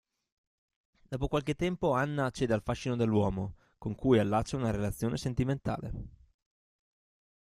Dopo qualche tempo Anna cede al fascino dell'uomo, con cui allaccia una relazione sentimentale.